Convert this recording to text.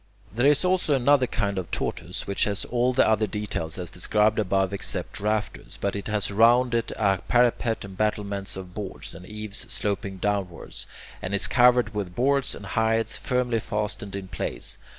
There is also another kind of tortoise, which has all the other details as described above except the rafters, but it has round it a parapet and battlements of boards, and eaves sloping downwards, and is covered with boards and hides firmly fastened in place.